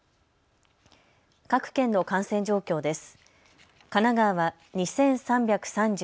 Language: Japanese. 各県の感染状況です。